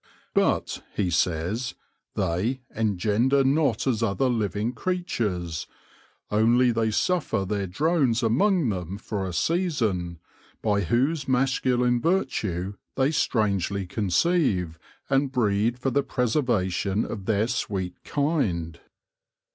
But, he says, they " engender not as other living creatures ; onely they surfer their Drones among them for a season, by whose Masculine virtue they strangely conceive and breed for the preservation of their sweet kinde."